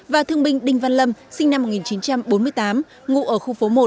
và thương binh đinh văn lâm sinh năm một nghìn chín trăm bốn mươi tám ngụ ở khu phố một